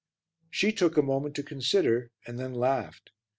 She took a moment to consider, and then laughed.